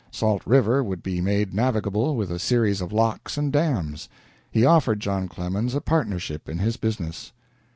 Salt River would be made navigable with a series of locks and dams. He offered John Clemens a partnership in his business.